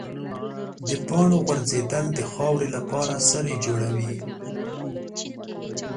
د پاڼو غورځېدل د خاورې لپاره سرې جوړوي.